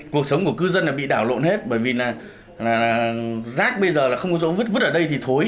cuộc sống của cư dân bị đảo lộn hết bởi vì giác bây giờ không có chỗ vứt vứt ở đây thì thối